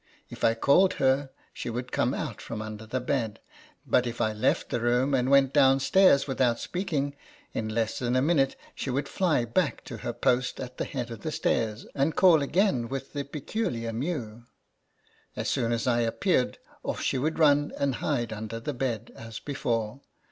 If I called her, she would come out from under the bed ; but if I left the room, and went down stairs without speaking, in less than a min ute she would fly back to her post at the head of the stairs, and call again with the peculiar mew. As soon as I appeared, off she would run, and hide under the bed as before.